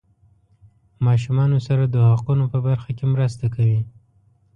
ماشومانو سره د حقوقو په برخه کې مرسته کوي.